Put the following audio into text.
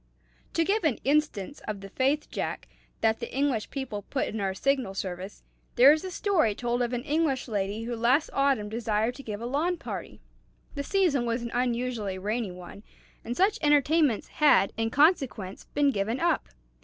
To give an instance of the faith, Jack, that the English people put in our Signal Service, there is a story told of an English lady who last autumn desired to give a lawn party. The season was an unusually rainy one, and such entertainments had, in consequence, been given up.